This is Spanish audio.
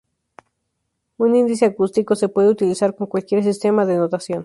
Un índice acústico se puede utilizar con cualquier sistema de notación.